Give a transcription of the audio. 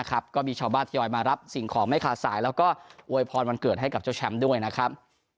ก็มีชาวบ้านทยอยมารับสิ่งของไม่ขาดสายแล้วก็อวยพรวันเกิดให้กับเจ้าแชมป์ด้วยนะครับ